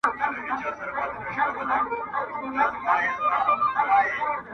چي د ځینو ادارو نومونه یې لنډ درته لیکم